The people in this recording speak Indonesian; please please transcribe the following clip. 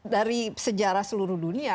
dari sejarah seluruh dunia